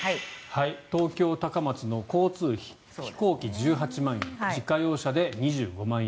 東京高松の交通費飛行機、１８万円自家用車で２５万円。